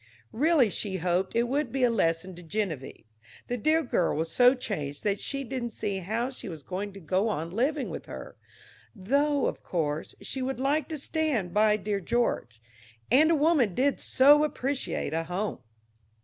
Really she hoped it would be a lesson to Geneviève. The dear girl was so changed that she didn't see how she was going to go on living with her; though, of course, she would like to stand by dear George and a woman did so appreciate a home!